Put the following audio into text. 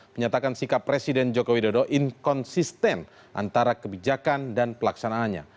menyatakan sikap presiden joko widodo inkonsisten antara kebijakan dan pelaksanaannya